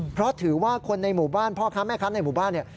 เพราะถือว่าคนในหมู่บ้านพ่อค้าแม่ค้าในหมู่บ้านเนี่ย